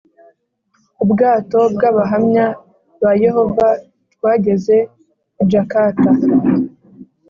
ubwato bw Abahamya ba Yehova bwageze i Jakarta